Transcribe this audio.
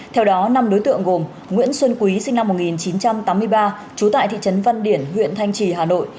theo đó năm đối tượng gồm nguyễn xuân quý sinh năm một nghìn chín trăm tám mươi ba trú tại thị trấn văn điển huyện thanh trì hà nội